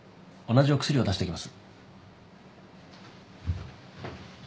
同じお薬を出しときます。